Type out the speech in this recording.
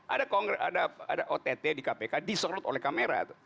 ada ott di kpk disorot oleh kamera